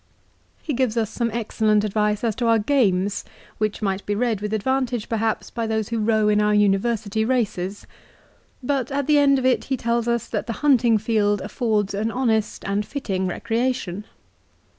1 He gives us some excellent advice as to our games, which might be read with advantage, perhaps, by those who row in our university races. But at the end of it he tells us that the hunting field affords an honest and fitting recreation.